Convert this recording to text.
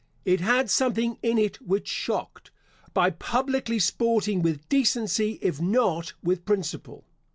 It had something in it which shocked, by publicly sporting with decency, if not with principle.